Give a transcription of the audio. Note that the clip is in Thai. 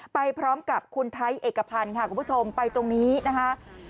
ไปพร้อมกับคุณไทยเอกพันธ์ค่ะคุณผู้ชมไปตรงนี้นะคะ